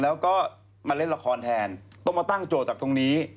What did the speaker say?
แล้วก็มาเล่นละครแทนต้องมาตั้งโจทย์จากตรงนี้